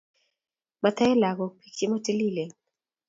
Mataee lagook beek chematililen